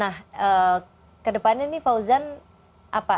nah kedepannya nih fauzan apa